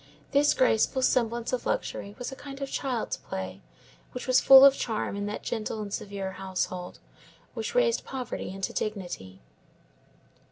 This graceful semblance of luxury was a kind of child's play, which was full of charm in that gentle and severe household, which raised poverty into dignity.